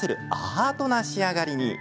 アートな仕上がりに。